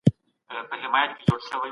خوب د عمر له بدلون سره بدلېږي.